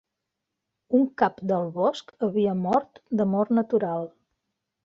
Un cap del bosc havia mort de mort natural.